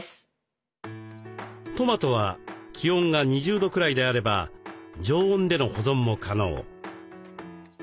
トマトは気温が２０度くらいであれば常温での保存も可能。